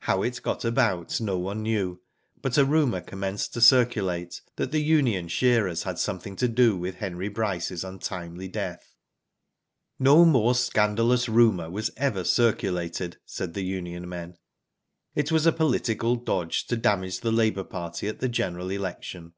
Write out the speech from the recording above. How it got about no one knew ; but a rumour commenced to circulate that the union shearers had something to do with Henry Bryce's untimely death. No more scandalous runvour was ever circu lated, said the union men. It was a political dodge to damage the labour party at the general election.